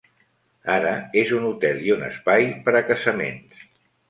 Ara és un hotel i un espai per a casaments.